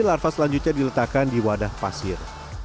larva selanjutnya diletakkan di wadah pasir